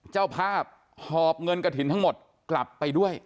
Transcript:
เจ้าภาพหอบเงินกระถิ่นทั้งหมดกลับไปด้วย